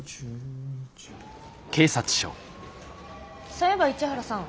そういえば市原さん。